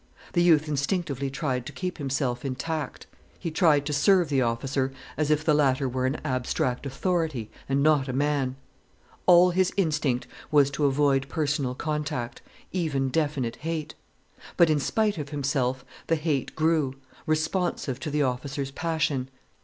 The youth instinctively tried to keep himself intact: he tried to serve the officer as if the latter were an abstract authority and not a man. All his instinct was to avoid personal contact, even definite hate. But in spite of himself the hate grew, responsive to the officer's passion.